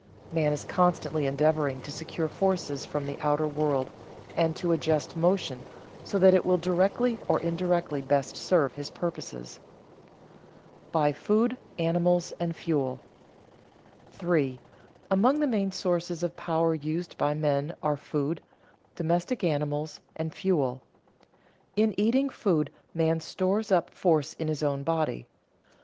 Man is constantly endeavoring to secure forces from the outer world and to adjust motion so that it will directly or indirectly best serve his purposes. [Sidenote: By food, animals, and fuel] 3. Among the main sources of power used by men are food, domestic animals, and fuel. In eating food man stores up force in his own body.